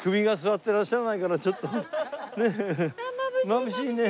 まぶしいね。